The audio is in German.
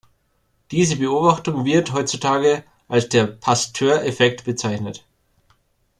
Diese Beobachtung wird heutzutage als der „Pasteur-Effekt“ bezeichnet.